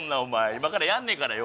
今からやんねんからよ。